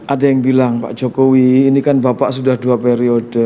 ada yang bilang pak jokowi ini kan bapak sudah dua periode